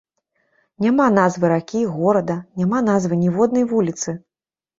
Няма назвы ракі, горада, няма назвы ніводнай вуліцы!